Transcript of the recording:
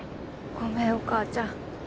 ごめんお母ちゃん。